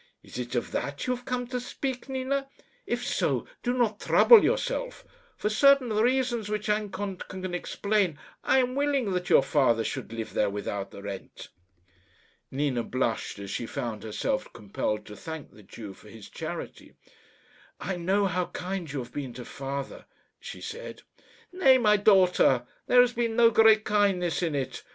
"Is it of that you have come to speak, Nina? If so, do not trouble yourself. For certain reasons, which Anton can explain, I am willing that your father should live there without rent." Nina blushed as she found herself compelled to thank the Jew for his charity. "I know how kind you have been to father," she said. "Nay, my daughter, there has been no great kindness in it.